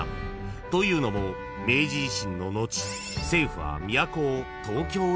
［というのも明治維新の後政府は都を東京に定めました］